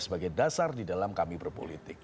sebagai dasar didalam kami berpolitik